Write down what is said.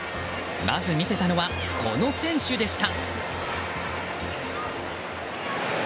まず見せたのは、この選手でした。